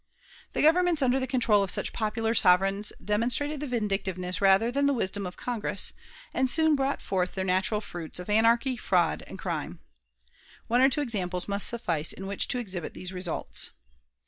The governments under the control of such popular sovereigns demonstrated the vindictiveness rather than wisdom of Congress, and soon brought forth their natural fruits of anarchy, fraud, and crime. One or two examples must suffice in which to exhibit these results.